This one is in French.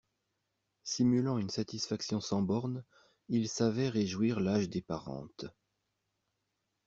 Simulant une satisfaction sans bornes, il savait réjouir l'âge des parentes.